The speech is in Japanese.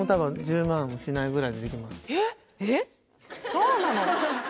・そうなの？